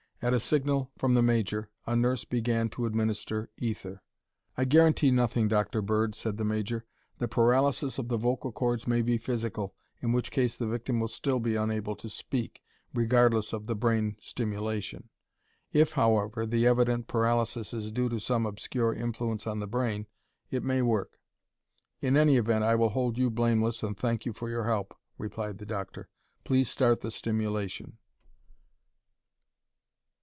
At a signal from the major, a nurse began to administer ether. "I guarantee nothing, Dr. Bird," said the major. "The paralysis of the vocal cords may be physical, in which case the victim will still be unable to speak, regardless of the brain stimulation. If, however, the evident paralysis is due to some obscure influence on the brain, it may work." "In any, event I will hold you blameless and thank you for your help," replied the doctor. "Please start the stimulation."